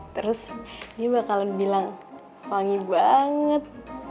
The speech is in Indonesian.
terus ini bakalan bilang wangi banget